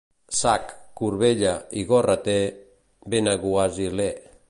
Sac, corbella i gos rater... benaguasiler.